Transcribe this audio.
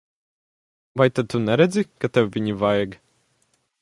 Vai tad tu neredzi, ka tev viņu vajag?